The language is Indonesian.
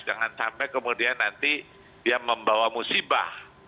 jangan sampai kemudian nanti dia membawa musibah